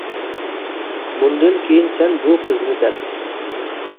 مۇندىن كىيىن سەن بۇ قىزنى دەپ.